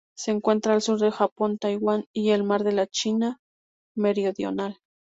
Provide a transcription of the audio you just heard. Se encuentra al sur del Japón, Taiwán y el Mar de la China Meridional.